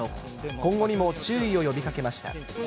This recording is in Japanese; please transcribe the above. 今後にも注意を呼びかけました。